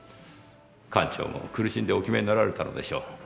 館長も苦しんでお決めになられたのでしょう。